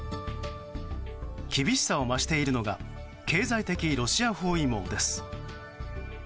厳しさを増しているのが経済的ロシア包囲網です。